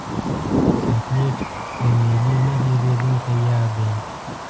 چاکلېټ د میلې نه هېرېدونکی یاد دی.